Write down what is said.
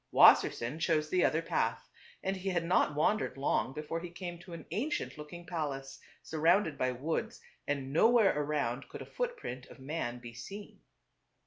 Wassersein chose the other path ; and he had not wandered long before he came to an ancient looking palace surrounded by woods, and nowhere around could a footprint of man be seen.